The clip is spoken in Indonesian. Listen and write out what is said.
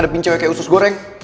ada pin cewek kayak usus goreng